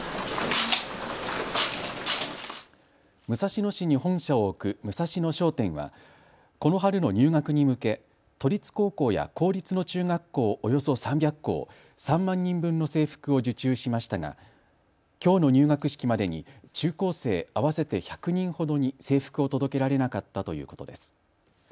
武蔵野市に本社を置くムサシノ商店はこの春の入学に向け都立高校や公立の中学校およそ３００校、３万人分の制服を受注しましたがきょうの入学式までに中高生合わせて１００人ほどに制服を届けられなかったということです。